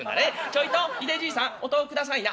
『ちょいとひでじいさんお豆腐下さいな。